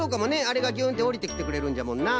あれがぎゅんっておりてきてくれるんじゃもんな。